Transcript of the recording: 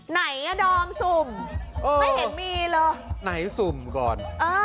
ไหนอ่ะดอมสุ่มไม่เห็นมีเหรอไหนสุ่มก่อน